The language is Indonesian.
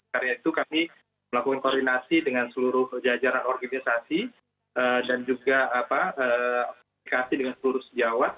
karena itu kami melakukan koordinasi dengan seluruh jajaran organisasi dan juga aplikasi dengan seluruh sejawat